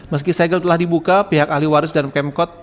meski segel telah dibuka pihak ahli waris dan pemkot